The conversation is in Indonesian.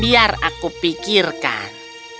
biar aku pikirkan